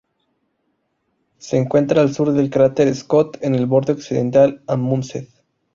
Se encuentra al sur del cráter Scott, en el borde occidental de Amundsen.